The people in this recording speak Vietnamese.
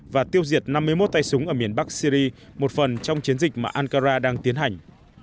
và tiêu diệt năm mươi một tay súng ở miền bắc syri một phần trong chiến dịch mà ankara đang tiến hành